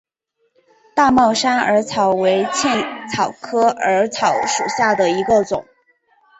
大帽山耳草为茜草科耳草属下的一个种。